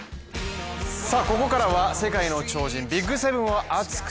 ここからは世界の超人、ＢＩＧ７を熱く！